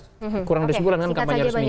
ya kurang dari sebulan kan kampanye resminya